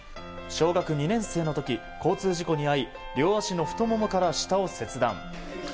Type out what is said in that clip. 小学２年生の時、交通事故に遭い両足の太ももから下を切断。